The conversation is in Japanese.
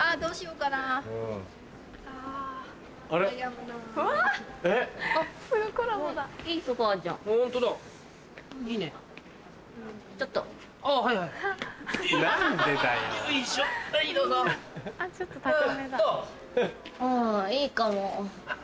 うんいいかも。